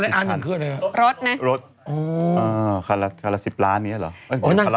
คืออะไรอันหนึ่งคืออะไรรถนะอ๋อคันละ๑๐ล้านเงี้ยเหรอ